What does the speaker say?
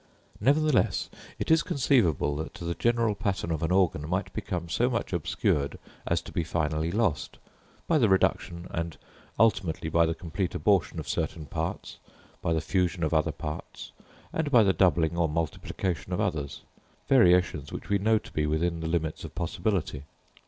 Nevertheless, it is conceivable that the general pattern of an organ might become so much obscured as to be finally lost, by the reduction and ultimately by the complete abortion of certain parts, by the fusion of other parts, and by the doubling or multiplication of others, variations which we know to be within the limits of possibility.